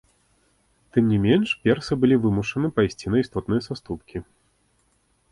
Тым не менш, персы былі вымушаны пайсці на істотныя саступкі.